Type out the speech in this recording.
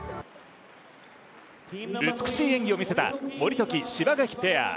美しい演技を見せた守時・柴垣ペア。